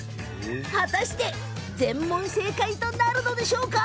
果たして全問正解となるのでしょうか。